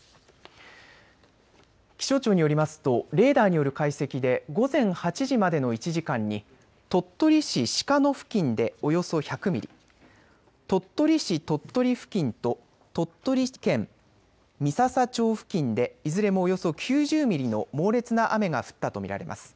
気象庁によりますとレーダーによる解析で午前８時までの１時間に鳥取市鹿野の付近でおよそ１００ミリ、鳥取市鳥取付近と鳥取県三朝町付近でいずれもおよそ９０ミリの猛烈な雨が降ったと見られます。